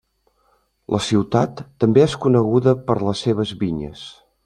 La ciutat també és coneguda per les seves vinyes.